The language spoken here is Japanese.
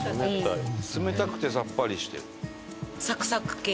冷たくてさっぱりしてる。